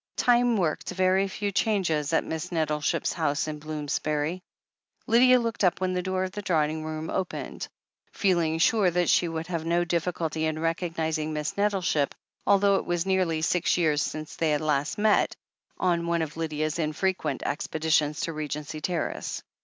Time worked very few changes at Miss Nettleship's house in Bloomsbury. Lydia looked up when the door of the drawing room opened, feeling sure that she would have no difficulty in recognizing Miss Nettleship, although it was nearly six years since they had last met, on one of Lydia's infrequent expeditions to Regency Terrace.